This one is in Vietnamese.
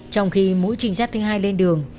trong khi mũi trình sát thứ hai lên đường